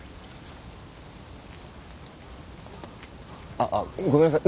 ああごめんなさい。